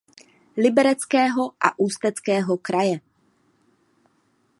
Libereckého a Ústeckého kraje.